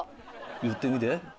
言ってみて。